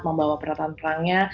membawa peralatan perangnya